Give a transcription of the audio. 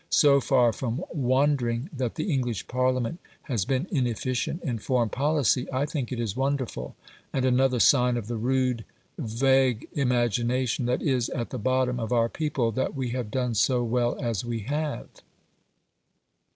So far from wondering that the English Parliament has been inefficient in foreign policy, I think it is wonderful, and another sign of the rude, vague imagination that is at the bottom of our people, that we have done so well as we have.